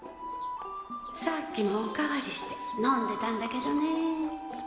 さっきもお代わりして飲んでたんだけどね。